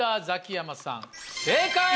ザキヤマさん正解！